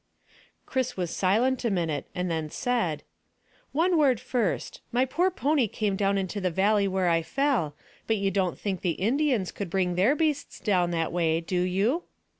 Chris was silent a minute, and then said "One word first. My poor pony came down into the valley where I fell, but you don't think the Indians could bring their beasts down that way, do you?"